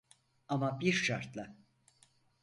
Ama bir şartla.